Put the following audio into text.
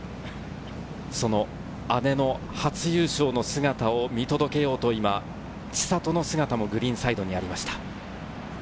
その姉の初優勝の姿を見届けようと、今、千怜の姿もグリーンサイドにありました。